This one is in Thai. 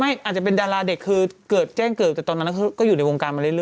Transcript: อาจจะเป็นดาราเด็กคือเกิดแจ้งเกิดแต่ตอนนั้นก็อยู่ในวงการมาเรื